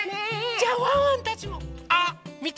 じゃワンワンたちも。あっみて！